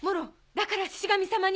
だからシシ神様に。